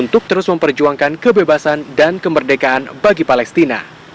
untuk terus memperjuangkan kebebasan dan kemerdekaan bagi palestina